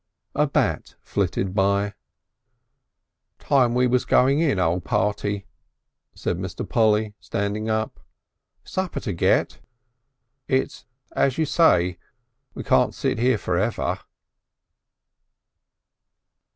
A bat flitted by. "Time we was going in, O' Party," said Mr. Polly, standing up. "Supper to get. It's as you say, we can't sit here for ever."